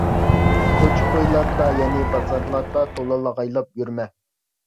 كوچا-كويلاردا، يەنى بازارلاردا تولا لاغايلاپ يۈرمە.